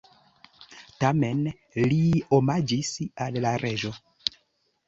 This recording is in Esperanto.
Tamen li omaĝis al la reĝo.